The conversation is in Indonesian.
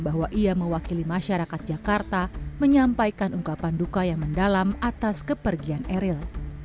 bahwa ia mewakili masyarakat jakarta menyampaikan ungkapan duka yang mendalam atas kepergian eril